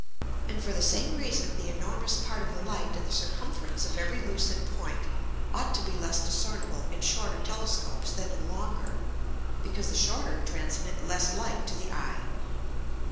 And for the same Reason, the enormous Part of the Light in the Circumference of every lucid Point ought to be less discernible in shorter Telescopes than in longer, because the shorter transmit less Light to the Eye.